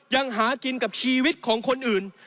ยังหากินกับชีวิตของคนอื่น